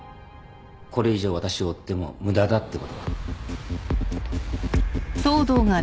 これ以上私を追っても無駄だってことが。